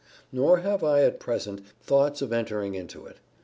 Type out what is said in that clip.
Nor have I, at present, thoughts of entering into it.